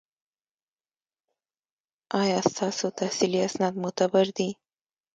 ایا ستاسو تحصیلي اسناد معتبر دي؟